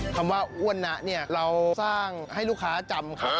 คำว่าอ้วนนะเนี่ยเราสร้างให้ลูกค้าจำเขา